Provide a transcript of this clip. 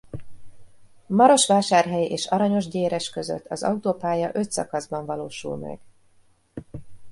Marosvásárhely és Aranyosgyéres között az autópálya öt szakaszban valósul meg.